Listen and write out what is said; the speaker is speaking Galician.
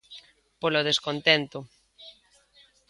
Polo descontento.